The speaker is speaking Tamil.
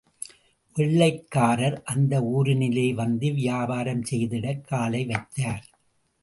வெள்ளைக் காரர்அந்த ஊரினிலே வந்து வியாபாரம் செய்திடக் காலைவைத்தார்.